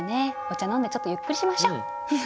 飲んでちょっとゆっくりしましょ！